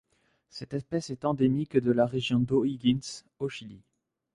Cette espèce est endémique de la région d'O'Higgins au Chili.